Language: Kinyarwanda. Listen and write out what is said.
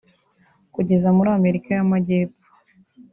kugeza muri Amerika y’Amajyepfo